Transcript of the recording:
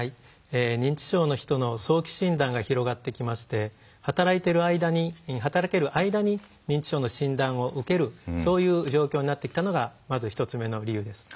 認知症の人の早期診断が広がってきまして働ける間に認知症の診断を受けるそういう状況になってきたのがまず１つ目の理由です。